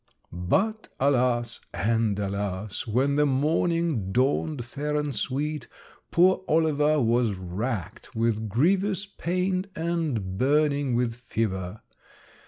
"But alas, and alas! when the morning dawned fair and sweet, poor Oliver was racked with grievous pain and burning with fever!